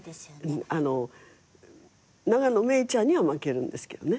永野芽郁ちゃんには負けるんですけどね。